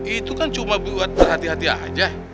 itu kan cuma buat berhati hati aja